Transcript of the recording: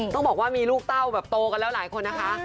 ต้องบอกว่ามีลูกเต้าแบบโตกันแล้วหลายคนนะคะ